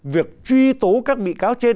việc truy tố các bị cáo trên